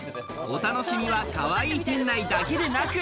お楽しみは、かわいい店内だけでなく。